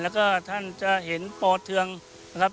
แล้วก็ท่านจะเห็นปอเทืองนะครับ